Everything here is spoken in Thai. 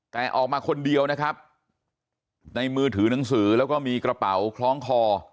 แต่ออกมาคนเดียวนะครับในมือถือหนังสือแล้วก็มีกระเป๋าคล้องคอ